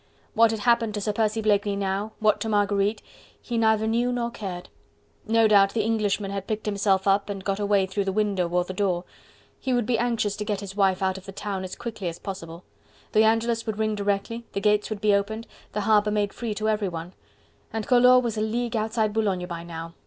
What had happened to Sir Percy Blakeney now, what to Marguerite, he neither knew nor cared. No doubt the Englishman had picked himself up and got away through the window or the door: he would be anxious to get his wife out of the town as quickly as possible. The Angelus would ring directly, the gates would be opened, the harbour made free to everyone.... And Collot was a league outside Boulogne by now...